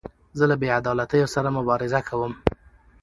زه له بې عدالتیو سره مبارزه کوم.